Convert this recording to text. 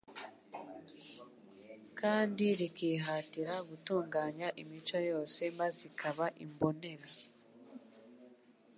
kandi rikihatira gutunnganya imico yose maze ikaba imbonera.